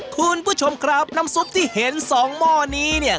คุณผู้ชมครับน้ำซุปที่เห็นสองหม้อนี้เนี่ย